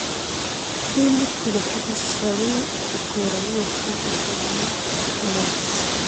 دې لیک کې د ښځې، سړي، کورنۍ، اخلاقو، ټولنې، نفس،